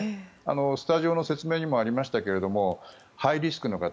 スタジオの説明にもありましたがハイリスクの方